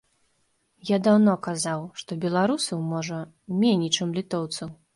Я даўно казаў, што беларусаў, можа, меней, чым літоўцаў.